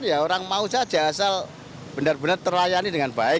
ya orang mau saja asal benar benar terlayani dengan baik